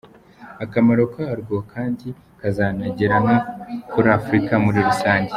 Akamaro karwo kandi kazanagera no kuri Africa muri rusange.